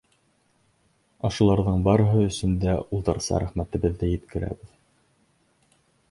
Ошоларҙың барыһы өсөн дә улдарса рәхмәтебеҙҙе еткерәбеҙ.